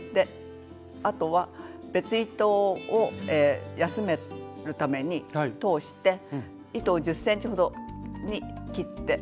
別糸を休めるために通して糸を１０ｃｍほどに切っておきます。